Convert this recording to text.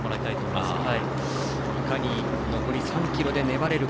いかに残り３ｋｍで粘れるか。